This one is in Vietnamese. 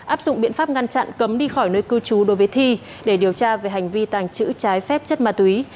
áp dụng biện pháp ngăn chặn cấm đi khỏi nơi cư trú đối với thi để điều tra về hành vi tàng trữ trái phép chất ma túy